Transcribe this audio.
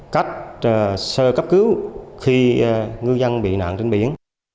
cách sơ cấp cứu khi ngư dân bị nạn trên biển